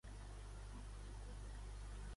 Qui va ser Crotop?